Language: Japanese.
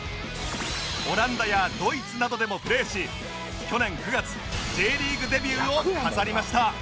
オランダやドイツなどでもプレーし去年９月 Ｊ リーグデビューを飾りました